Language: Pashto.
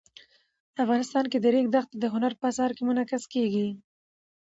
افغانستان کې د ریګ دښتې د هنر په اثار کې منعکس کېږي.